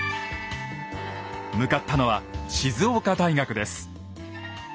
向かったのは静岡大学です。